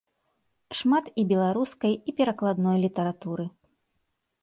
Шмат і беларускай, і перакладной літаратуры.